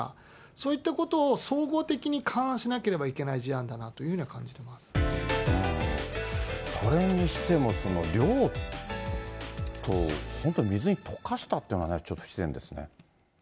そういったことを総合的に勘案しなければいけない事案だなというそれにしても、量と、本当に水に溶かしたっていうのはね、ちょっと不自然ですね。